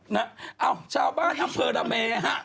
นะชาวบ้านที่เผิดอเมฆ